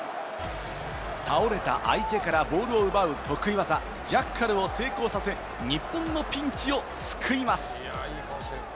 倒れた相手からボールを奪う得意技・ジャッカルを成功させ、日本のピンチを救います。